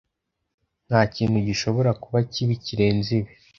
Ntakintu gishobora kuba kibi kirenze ibi.